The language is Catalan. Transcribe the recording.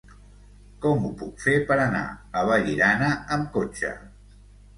Com ho puc fer per anar a Vallirana amb cotxe?